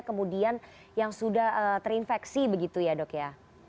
kemudian yang sudah terinfeksi begitu ya dok ya